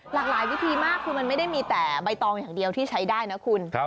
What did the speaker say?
หลากหลายวิธีมากคือมันไม่ได้มีแต่ใบตองอย่างเดียวที่ใช้ได้นะคุณ